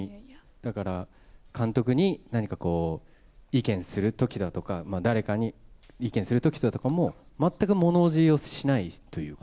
だから、監督に何か意見するときだとか、誰かに意見するときとかも、全くものおじをしないという。